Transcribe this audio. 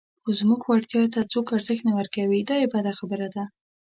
خو زموږ وړتیا ته څوک ارزښت نه ورکوي، دا یې بده خبره ده.